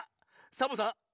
サボさん？